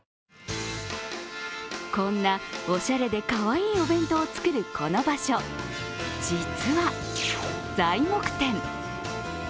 こんなおしゃれでかわいいお弁当を作るこの場所、実は材木店。